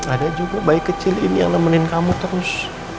ada juga bayi kecil ini yang nemenin kamu terus